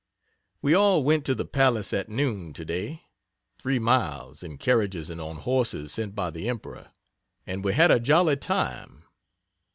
We all went to the palace at noon, today, (3 miles) in carriages and on horses sent by the Emperor, and we had a jolly time.